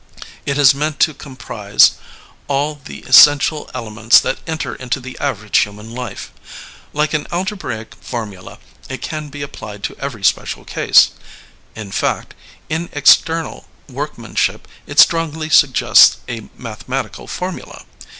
It is meant to comprise all the essential elements that enter into the average human life. Like an algebraic LEONID ANDREYEV 23 formula, it can be applied to every special case. In fact, in external workmanship it strongly suggests a mathematical formula.